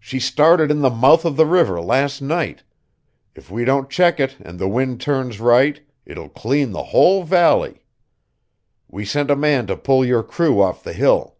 "She started in the mouth of the river last night. If we don't check it and the wind turns right, it'll clean the whole valley. We sent a man to pull your crew off the hill."